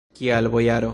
Kial, bojaro?